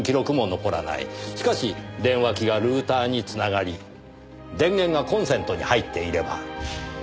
しかし電話機がルーターに繋がり電源がコンセントに入っていれば。